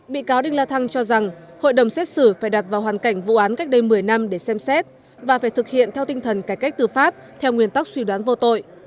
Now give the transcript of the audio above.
bị cáo đinh la thăng cho rằng hội đồng xét xử phải đặt vào hoàn cảnh vụ án cách đây một mươi năm để xem xét và phải thực hiện theo tinh thần cải cách tư pháp theo nguyên tắc suy đoán vô tội